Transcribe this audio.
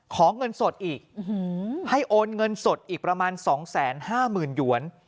เงินสดอีกให้โอนเงินสดอีกประมาณ๒๕๐๐๐หยวน